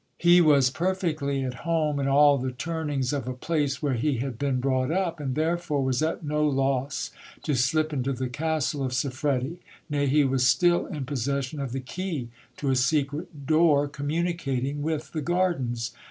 He was perfectly at home in all the turnings of a place where he had been brought up, and therefore was at no loss to slip into the castle of Siffredi. Nay, he was still in possession of the key to a secret door communicating with the gardens.